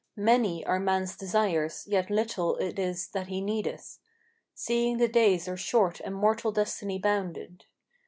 Many are man's desires, yet little it is that he needeth; Seeing the days are short and mortal destiny bounded.